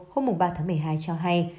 hôm ba tháng một mươi hai cho hay